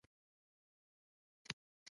مصنوعي ځیرکتیا د انسان د تحلیل ځواک پیاوړی کوي.